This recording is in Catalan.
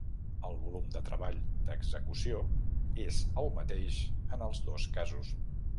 El volum de treball d'execució és el mateix en els dos casos.